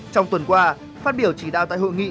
trong tuần qua phát biểu chỉ đạo tại hội nghị